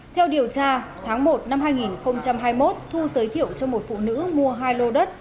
theo điều tra tháng một năm hai nghìn hai mươi một thu giới thiệu cho một phụ nữ mua hai lô đất